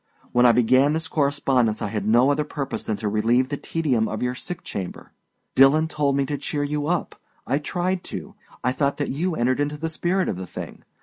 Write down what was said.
When I began this correspondence I had no other purpose than to relieve the tedium of your sick chamber. Dillon told me to cheer you up. I tried to. I thought that you entered into the spirit of the thing.